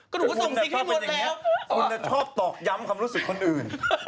คุณน่ะชอบตอกย้ำความรู้สึกคนอื่น